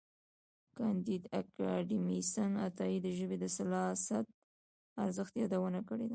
کانديد اکاډميسن عطايي د ژبې د سلاست ارزښت یادونه کړې ده.